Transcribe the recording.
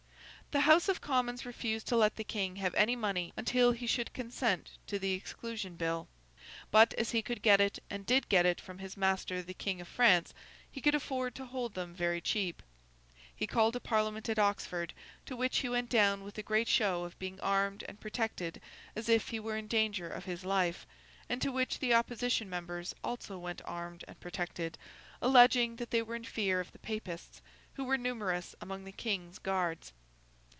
The House of Commons refused to let the King have any money until he should consent to the Exclusion Bill; but, as he could get it and did get it from his master the King of France, he could afford to hold them very cheap. He called a Parliament at Oxford, to which he went down with a great show of being armed and protected as if he were in danger of his life, and to which the opposition members also went armed and protected, alleging that they were in fear of the Papists, who were numerous among the King's guards.